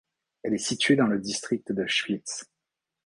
Elle est située dans le district de Schwytz.